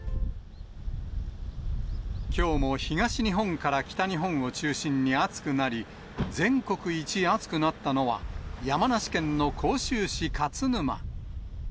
きょうも東日本から北日本を中心に暑くなり、全国一暑くなったのは、山梨県の甲州市勝沼。